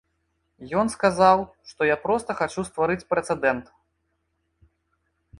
Ён сказаў, што я проста хачу стварыць прэцэдэнт.